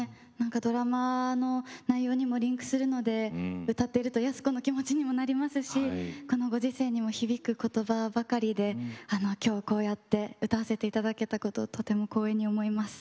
ドラマの内容にもリンクするので歌っていると安子の気持ちにもなりますしこのご時世にも響くことばばかりできょうこうやって歌わせていただけたこととても光栄に思います。